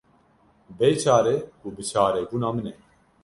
Bêçare û biçarebûna min e.